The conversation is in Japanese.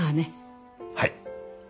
はい。